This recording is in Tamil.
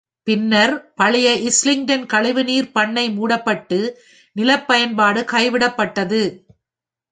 பின்னர் பழைய இஸ்லிங்டன் கழிவுநீர் பண்ணை மூடப்பட்டு நிலப்பயன்பாடு கைவிடப்பட்டது.